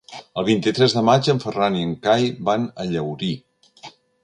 El vint-i-tres de maig en Ferran i en Cai van a Llaurí.